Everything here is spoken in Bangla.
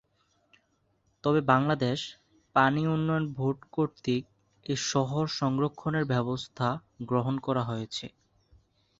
তবে বাংলাদেশ পানি উন্নয়ন বোর্ড কর্তৃক এ শহর সংরক্ষণের ব্যবস্থা গ্রহণ করা হয়েছে।